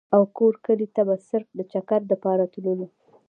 او کور کلي ته به صرف د چکر دپاره تللو ۔